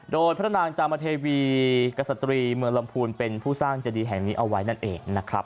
โดยพระนางจามเทวีกษัตรีเมืองลำพูนเป็นผู้สร้างเจดีแห่งนี้เอาไว้นั่นเองนะครับ